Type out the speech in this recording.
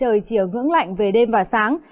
trời chỉ ở ngưỡng lạnh về đêm và sáng